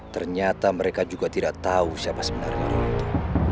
ternyata mereka juga tidak tahu siapa sebenarnya orang itu